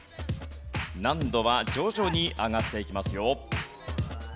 難度は徐々に上がっていきますよ。